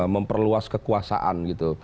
memperluas kekuasaan gitu